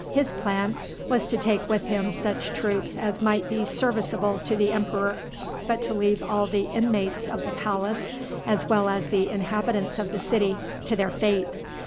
His plan was to take with him such troops as might be serviceable to the emperor, but to leave all the inmates of the palace, as well as the inhabitants of the city, to their fate.